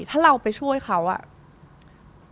ถ้าเราไปช่วยเขาอ่ะ